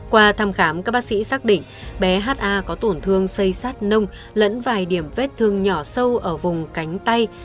qua thăm khám các bác sĩ xác định bé ha có tổn thương xây sát nông lẫn vài điểm vết thương nhỏ sâu ở vùng cánh tay